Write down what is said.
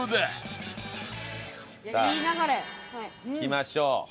さあいきましょう。